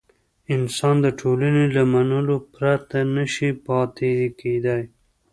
انسان د ټولنې له منلو پرته نه شي پاتې کېدای.